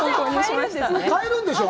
買えるんでしょう？